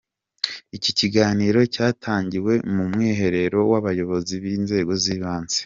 Iki kiganiro cyatangiwe mu mwiherero w’Abayobozi b’inzego z’ibanze.